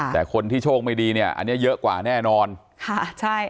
แต่คนที่โชคไม่ดีเนี่ยอันนี้เยอะกว่าแน่นอนค่ะใช่